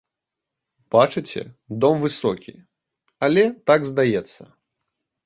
Бачыце, дом высокі, але так здаецца.